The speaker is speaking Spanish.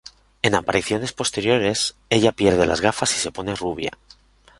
En apariciones posteriores, ella pierde las gafas y se pone rubia.